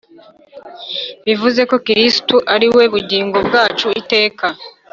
bivuze ko kristu ari we bugingo bwacu iteka